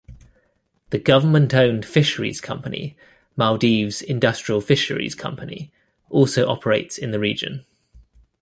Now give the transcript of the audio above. The government owned fisheries company, Maldives Industrial Fisheries Company also operates in the region.